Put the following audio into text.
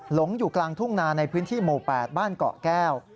หลงอยู่กลางทุ่งนาในพื้นที่หมู่๘บ้านเกาะแก้ว